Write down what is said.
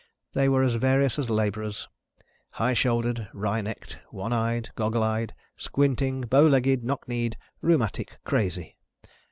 They were as various as labourers high shouldered, wry necked, one eyed, goggle eyed, squinting, bow legged, knock knee'd, rheumatic, crazy.